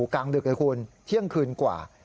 กลางดึกเลยคุณเที่ยงคืนกว่า